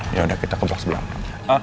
ya udah kita ke tempat sebelah